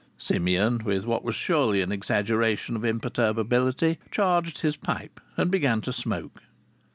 Simeon, with what was surely an exaggeration of imperturbability, charged his pipe, and began to smoke.